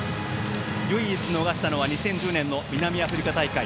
唯一逃したのは２０１０年の南アフリカ大会